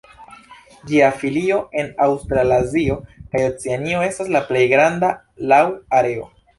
Ĝia filio en Aŭstralazio kaj Oceanio estas la plej granda laŭ areo.